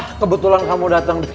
ah kebetulan kamu datang